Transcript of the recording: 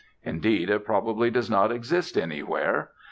Indeed, it probably does not exist anywhere.